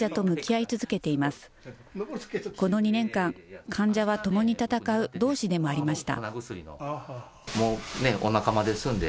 えこの２年間、患者は共に闘う同志でもありました。